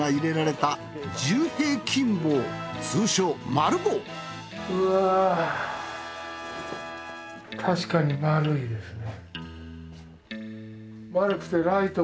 たしかに丸いですね。